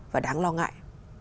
và đáng lo ngại